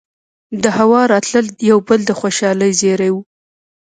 دهوا راتلل يو بل د خوشالۍ زېرے وو